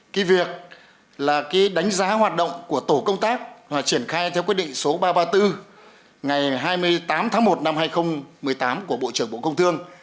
cái việc là cái đánh giá hoạt động của tổ công tác triển khai theo quyết định số ba trăm ba mươi bốn ngày hai mươi tám tháng một năm hai nghìn một mươi tám của bộ trưởng bộ công thương